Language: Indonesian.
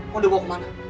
kondi gue kemana